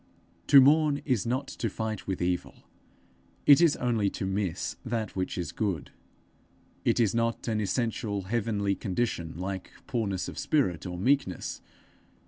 To mourn is not to fight with evil; it is only to miss that which is good. It is not an essential heavenly condition, like poorness of spirit or meekness.